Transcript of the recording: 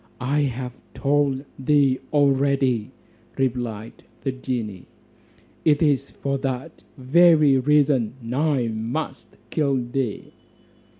"I have told thee already," replied the genie, "it is for that very reason I must kill thee."